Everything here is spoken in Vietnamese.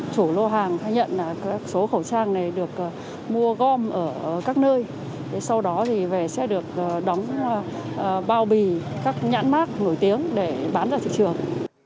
chủ lô hàng khai nhận là số khẩu trang này được mua gom ở các nơi sau đó thì về sẽ được đóng bao bì các nhãn mát nổi tiếng để bán ra thị trường